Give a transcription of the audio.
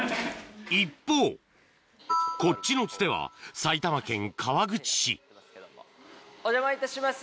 一方こっちのツテは埼玉県川口市お邪魔いたします。